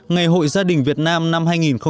ngày hội gia đình việt nam năm hai nghìn một mươi bảy